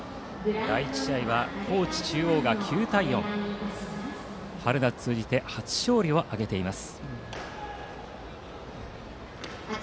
第１試合は高知中央が９対４で春夏通じて初勝利を挙げています。